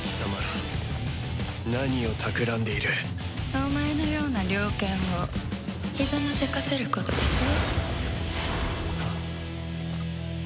お前のような猟犬をひざまずかせることですわ。